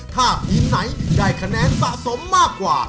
ถ้าทีมไหนได้คะแนนสะสมมากกว่า